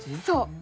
そう。